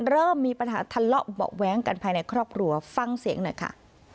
เริ่มมีปัญหาทะเลาะเบาะแว้งกันภายในครอบครัวฟังเสียงหน่อยค่ะ